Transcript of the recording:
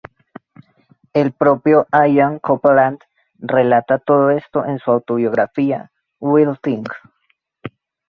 El propio Ian Copeland relata todo esto en su autobiografía "Wild Thing".